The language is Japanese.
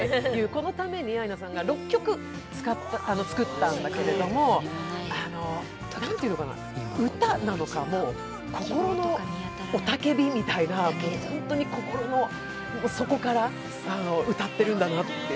このためにアイナさんが６曲作ったんだけれども、歌なのか、心の雄たけびみたいな本当に心の底から歌っているんだなって。